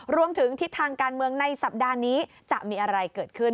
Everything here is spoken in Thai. รวมถึงทิศทางการเมืองในสัปดาห์นี้จะมีอะไรเกิดขึ้น